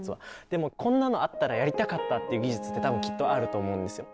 でもこんなのあったらやりたかったっていう技術って多分きっとあると思うんですよ。